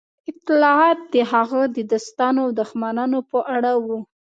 اطلاعات د هغه د دوستانو او دښمنانو په اړه وو